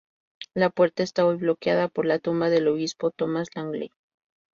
La puerta está hoy bloqueada por la tumba del obispo Tomás Langley.